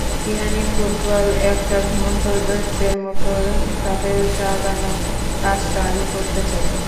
ইরানি football একটা ঘুমন্ত দৈত্যের মতো, তাদের জাগানোর কাজটা আমি করতে চাই।